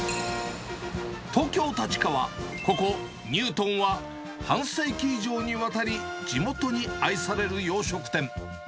東京・立川、ここ、にゅうとんは半世紀以上にわたり、地元に愛される洋食店。